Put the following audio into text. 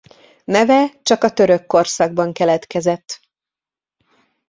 Neve csak a török korszakban keletkezett.